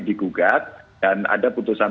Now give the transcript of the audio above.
digugat dan ada putusan